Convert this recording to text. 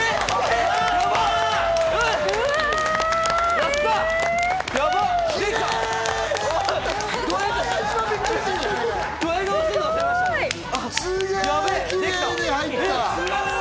やった！！